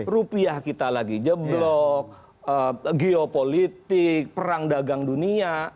rupiah kita lagi jeblok geopolitik perang dagang dunia